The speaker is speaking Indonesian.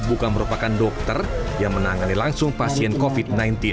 bukan merupakan dokter yang menangani langsung pasien covid sembilan belas